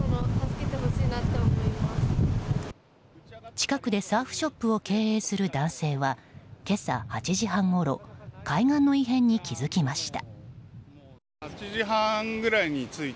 近くでサーフショップを経営する男性は今朝８時半ごろ海岸の異変に気づきました。